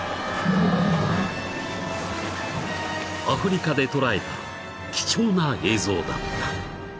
［アフリカで捉えた貴重な映像だった］